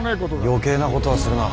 余計なことはするな。